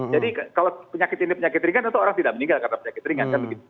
jadi kalau penyakit ini penyakit ringan itu orang tidak meninggal karena penyakit ringan